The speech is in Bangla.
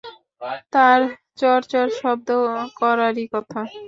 আর তার চড় চড় শব্দ করারই কথা।